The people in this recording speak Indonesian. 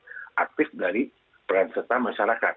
tanpa partisipasi aktif dari peran serta masyarakat